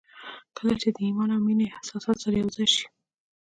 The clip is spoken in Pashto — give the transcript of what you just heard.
کله چې د ايمان او مينې احساسات سره يو ځای شي.